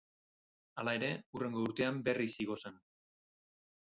Hala ere hurrengo urtean berriz igo zen.